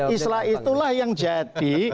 islah itulah yang jadi